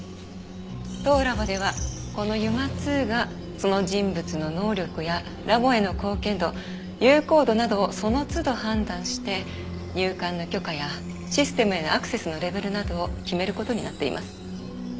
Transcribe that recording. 当ラボではこのＵＭＡ−Ⅱがその人物の能力やラボへの貢献度友好度などをその都度判断して入館の許可やシステムへのアクセスのレベルなどを決める事になっています。